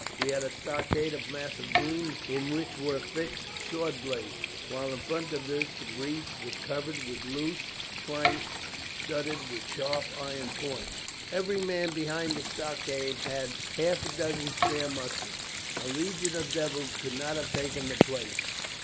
We had a stockade of massive beams in which were fixed sword blades, while in front of this the breach was covered with loose planks studded with sharp iron points. "Every man behind the stockade had half a dozen spare muskets. A legion of devils could not have taken the place.